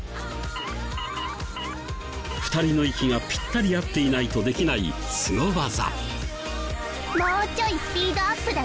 ２人の息がピッタリ合っていないとできないすご技。